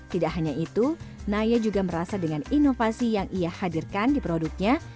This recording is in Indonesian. tidak hanya itu naya juga merasa dengan inovasi yang ia hadirkan di produknya